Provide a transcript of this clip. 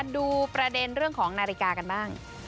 ดูประเด็นเรื่องของนาฬิกากันบ้าง